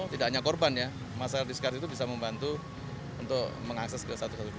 tidak hanya korban ya masalah diskar itu bisa membantu untuk mengakses ke satu ratus tujuh belas